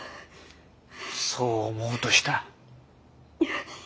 そう思おうとした。